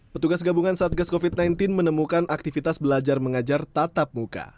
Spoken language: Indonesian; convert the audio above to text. petugas gabungan satgas covid sembilan belas menemukan aktivitas belajar mengajar tatap muka